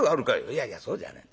「いやいやそうじゃない。